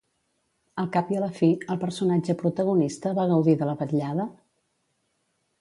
Al cap i a la fi, el personatge protagonista va gaudir de la vetllada?